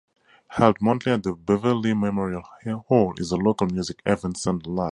Held monthly at the Beverley Memorial Hall is a local music event "Sunday Live".